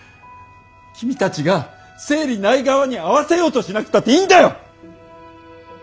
君たちが生理ない側に合わせようとしなくたっていいんだよ！